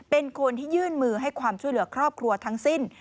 เป็นคนที่ยื่นมือให้ความช่วยเหลือครอบครัวทั้งสิ้น